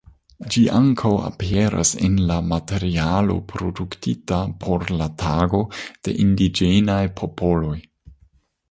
Ĝi ankaŭ aperas en la materialo produktita por la Tago de indiĝenaj popoloj.